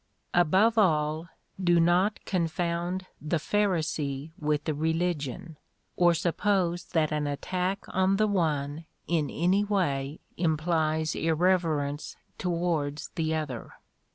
Above all, do not confound the Pharisee with the religion, or suppose that an attack on the one in any way implies irreverence towards the other.